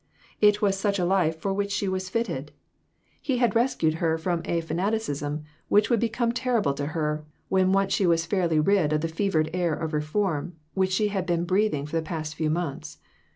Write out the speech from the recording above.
It was such a life for which she was fitted. 4i 8 j. s. R. He had rescued her from a fanaticism which would become terrible to her, when once she was fairly rid of the fevered air of reform, which she had been breathing for the past few months.